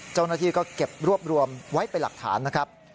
เจ้าหน้าที่ก็เก็บรวบรวมไว้เป็นหลักฐานนะครับ